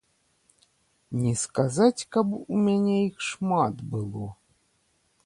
Не сказаць, каб у мяне іх шмат было.